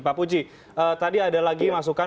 pak puji tadi ada lagi masukan